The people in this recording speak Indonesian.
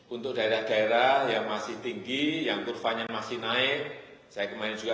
untuk daerah daerah yang masih tinggi yang kurvanya masih naik saya kemarin juga